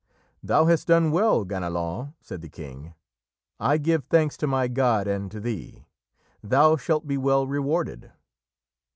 "Thou hast done well, Ganelon," said the king. "I give thanks to my God and to thee. Thou shalt be well rewarded."